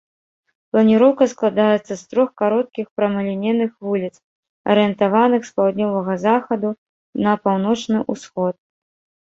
Планіроўка складаецца з трох кароткіх прамалінейных вуліц, арыентаваных з паўднёвага захаду на паўночны ўсход.